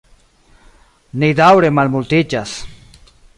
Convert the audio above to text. Ni daŭre malmultiĝas.